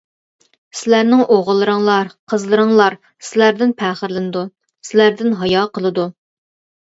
سىلەرنىڭ ئوغۇللىرىڭلار، قىزلىرىڭلار سىلەردىن پەخىرلىنىدۇ، سىلەردىن ھايا قىلىدۇ.